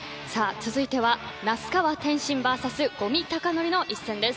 続いては、那須川天心ＶＳ五味隆典の一戦です。